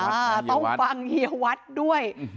อ่าต้องฟังเฮียวัฒน์ด้วย